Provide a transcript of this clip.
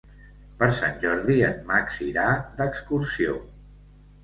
Per Sant Jordi en Max irà d'excursió.